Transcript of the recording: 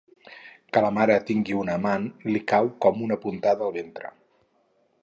Que la mare tingui un amant li cau com una puntada al ventre.